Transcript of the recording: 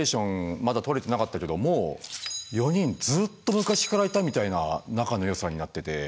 まだ取れてなかったけどもう４人ずっと昔からいたみたいな仲の良さになってて。